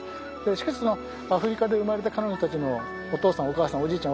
しかしそのアフリカで生まれた彼女たちのお父さんお母さん